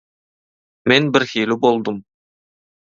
Men birhili boldum.